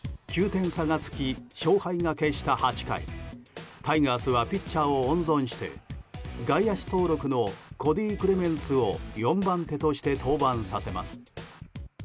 ９点差が付き、勝敗が決した８回タイガースはピッチャーを温存して外野手登録のコディ・クレメンスを４番手として登板させます。